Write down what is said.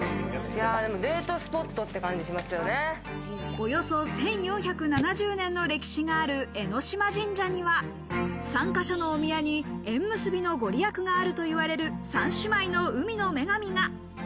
およそ１４７０年の歴史がある江島神社には３か所のお宮に縁結びのご利益があるといわれる三姉妹の海の女神が。